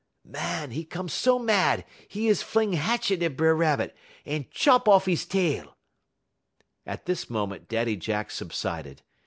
"Màn, 'e 'come so mad, 'e is fling hatchet at B'er Rabbit un chop off 'e tail." At this moment Daddy Jack subsided.